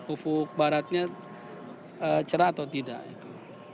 ufuk baratnya cerah atau tidak itu